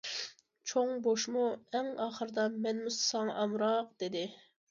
چوڭ بوشمۇ ئەڭ ئاخىرىدا« مەنمۇ ساڭا ئامراق» دېدى.